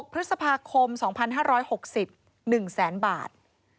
๖พฤษภาคม๒๕๖๐บาท